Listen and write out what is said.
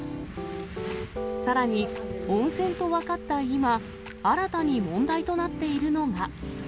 さらに、温泉と分かった今、新たに問題となっているのが。